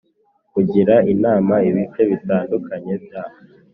Kugira inama ibice bitandukanye bya